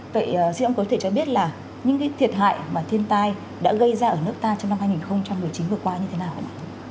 vậy xin ông có thể cho biết là những cái thiệt hại mà thiên tai đã gây ra ở nước ta trong năm hai nghìn một mươi chín vừa qua như thế nào ạ